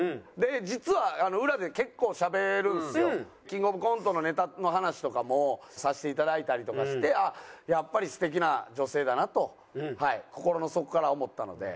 キングオブコントのネタの話とかもさせていただいたりとかしてあっやっぱり素敵な女性だなと心の底から思ったので。